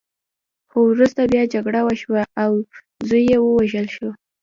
خو وروسته بیا جګړه وشوه او زوی یې ووژل شو.